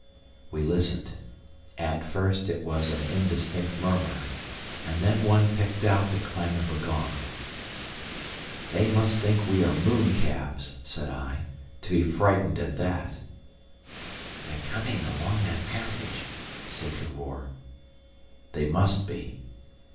We listened. At first it was an indistinct murmur, and then one picked out the clang of a gong. "They must think we are mooncalves," said I, "to be frightened at that." "They're coming along that passage," said Cavor. "They must be."